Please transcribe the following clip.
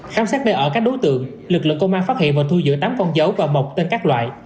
khám xét nơi ở các đối tượng lực lượng công an phát hiện và thu giữ tám con dấu và mộc tên các loại